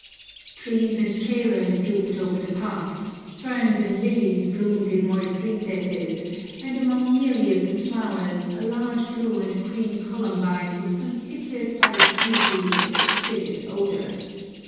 Trees and trailers drooped over the path, ferns and lilies bloomed in moist recesses, and among myriads of flowers a large blue and cream columbine was conspicuous by its beauty and exquisite odour.